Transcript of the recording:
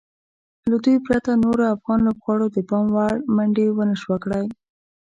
له دوی پرته نورو افغان لوبغاړو د پام وړ منډې ونشوای کړای.